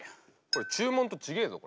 これ注文と違えぞ？